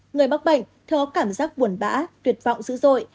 người bác bệnh thường có cảm giác buồn bã tuyệt vọng dữ dội